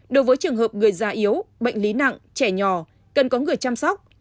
đối với trường hợp người già yếu bệnh lý nặng trẻ nhỏ cần có người chăm sóc